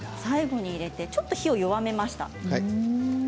最後に入れてちょっと火を弱めました。